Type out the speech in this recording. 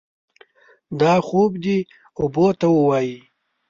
دا خوب دې اوبو ته ووايي.